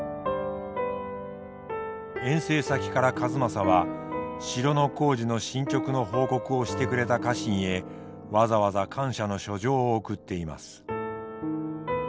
遠征先から数正は城の工事の進捗の報告をしてくれた家臣へわざわざ感謝の書状を送っています。